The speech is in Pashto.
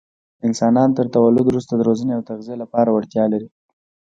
انسانان تر تولد وروسته د روزنې او تغذیې لپاره وړتیا لري.